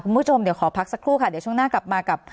คุณผู้ชมเดี๋ยวขอพักสักครู่ค่ะเดี๋ยวช่วงหน้ากลับมากับ